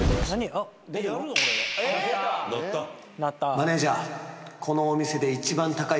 マネージャー。